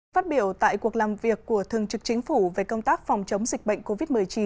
phát biểu tại cuộc làm việc của thường trực chính phủ về công tác phòng chống dịch bệnh covid một mươi chín